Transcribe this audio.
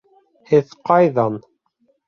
Һеҙ ҡайҙан?